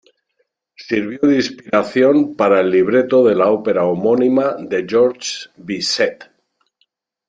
Sirvió de inspiración para el libreto de la ópera homónima de Georges Bizet.